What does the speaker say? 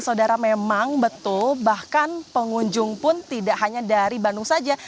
saudara memang betul bahkan pengunjung pun tidak hanya dari bandung saja